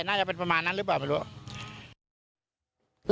น่าจะเป็นประมาณนั้นหรือเปล่าไม่รู้